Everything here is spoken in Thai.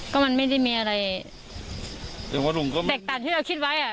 ก็มันไม่ได้มีอะไรแตกต่างที่เราคิดไว้